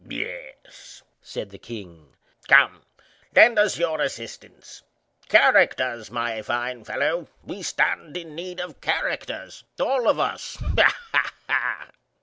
"Yes," said the King; "Come, Hop Frog, lend us your assistance. Characters, my fine fellow; we stand in need of characters—all of us—ha! ha! ha!"